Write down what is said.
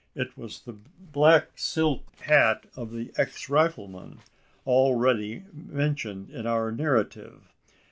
It was the black silk hat of the ex rifleman, already mentioned in our narrative.